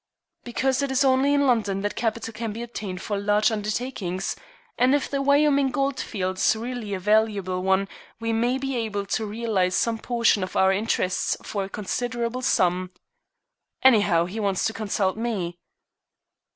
"Because it is only in London that capital can be obtained for large undertakings, and if the Wyoming Goldfield is really a valuable one we may be able to realize some portion of our interests for a considerable sum. Anyhow, he wants to consult me."